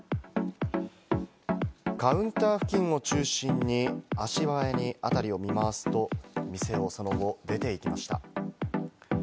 カウンター付近を中心に足早に辺りを見回すと店を、その後出ていきました。